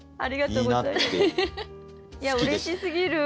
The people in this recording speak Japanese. いやうれしすぎる！